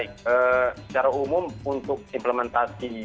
baik secara umum untuk implementasi